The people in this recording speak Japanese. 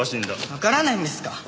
わからないんですか？